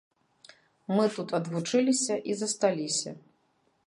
Мы тут адвучыліся і засталіся.